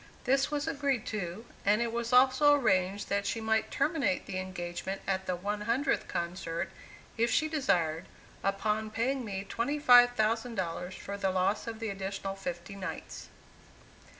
This was agreed to, and it was also arranged that she might terminate the engagement at the one hundredth concert, if she desired, upon paying me $25,000 for the loss of the additional fifty nights.